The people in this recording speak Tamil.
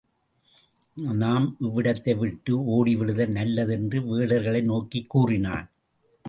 நாம் இவ்விடத்தை விட்டு ஓடிவிடுதல் நல்லது என்று வேடர்களை நோக்கிக் கூறினான்.